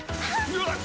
うわっ！